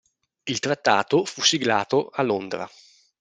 Il trattato fu siglato a Londra.